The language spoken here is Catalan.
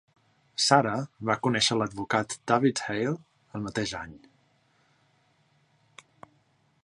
Sarah va conèixer l'advocat David Hale el mateix any.